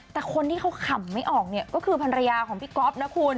แต่คนที่เขาขำไม่ออกเนี่ยก็คือภรรยาของพี่ก๊อฟนะคุณ